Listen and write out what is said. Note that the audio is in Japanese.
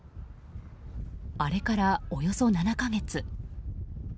あれから、およそ７か月。